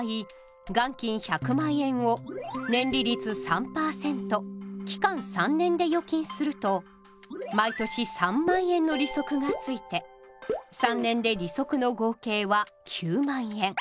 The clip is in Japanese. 元金１００万円を年利率３％期間３年で預金すると毎年３万円の利息が付いて３年で利息の合計は９万円。